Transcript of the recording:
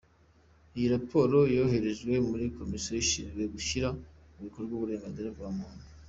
Iyi raporo yoherejwe muri Komisiyo ishinzwe gushyira mu bikorwa uburenganzira bwa muntu.